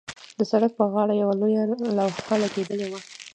د سړک پر غاړې یوه لوحه لګېدلې وه.